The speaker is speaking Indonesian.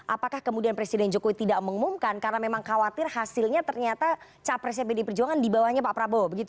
apakah kemudian presiden jokowi tidak mengumumkan karena memang khawatir hasilnya ternyata capresnya pdi perjuangan di bawahnya pak prabowo